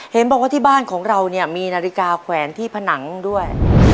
เห็นบอกว่าที่บ้านของเราเนี่ยมีนาฬิกาแขวนที่ผนังด้วย